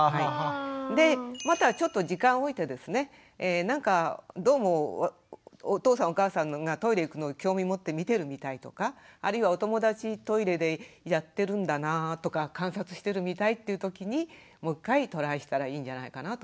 でまたちょっと時間を置いてですねなんかどうもお父さんお母さんがトイレ行くのを興味持って見てるみたいとかあるいはお友達トイレでやってるんだなぁとか観察してるみたいというときにもう一回トライしたらいいんじゃないかなと思います。